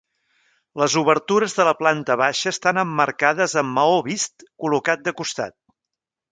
Les obertures de la planta baixa estan emmarcades amb maó vist col·locat de costat.